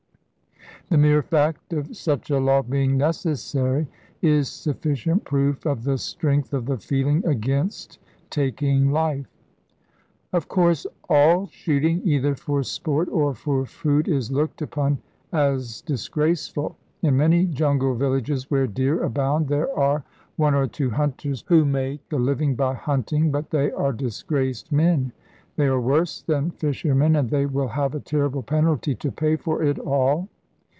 The mere fact of such a law being necessary is sufficient proof of the strength of the feeling against taking life. Of course, all shooting, either for sport or for food, is looked upon as disgraceful. In many jungle villages where deer abound there are one or two hunters who make a living by hunting. But they are disgraced men. They are worse than fishermen, and they will have a terrible penalty to pay for it all.